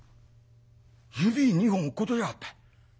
指２本落っことしやがった。